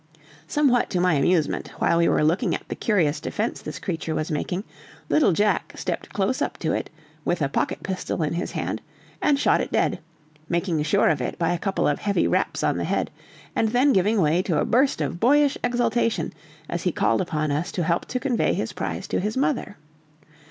Somewhat to my amusement, while we were looking at the curious defence this creature was making, little Jack stepped close up to it, with a pocket pistol in his hand, and shot it dead, making sure of it by a couple of heavy raps on the head, and then giving way to a burst of boyish exultation, he called upon us to help to convey his prize to his mother.